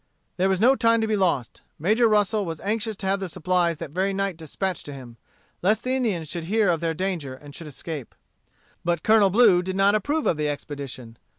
There was no time to be lost. Major Russel was anxious to have the supplies that very night dispatched to him, lest the Indians should hear of their danger and should escape. But Colonel Blue did not approve of the expedition.